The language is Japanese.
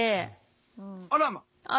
あらまっ。